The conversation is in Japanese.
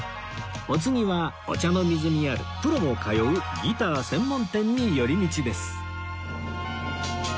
お次はお茶の水にあるプロも通うギター専門店に寄り道です